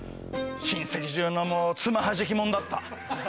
親戚中の爪はじき者だった。